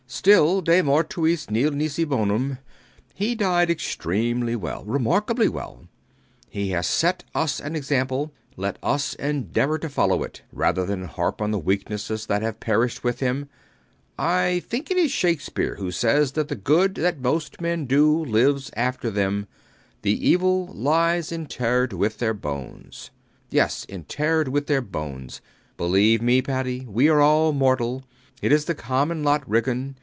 Still, de mortuis nil nisi bonum. He died extremely well, remarkably well. He has set us an example: let us endeavor to follow it rather than harp on the weaknesses that have perished with him. I think it is Shakespear who says that the good that most men do lives after them: the evil lies interred with their bones. Yes: interred with their bones. Believe me, Paddy, we are all mortal. It is the common lot, Ridgeon.